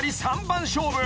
３番勝負］